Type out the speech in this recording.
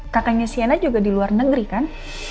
kakaknya siana juga di luar negeri kan